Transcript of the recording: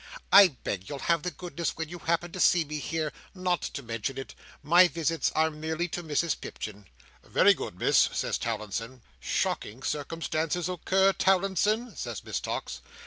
"I beg you'll have the goodness, when you happen to see me here, not to mention it. My visits are merely to Mrs Pipchin." "Very good, Miss," says Towlinson. "Shocking circumstances occur, Towlinson," says Miss Tox.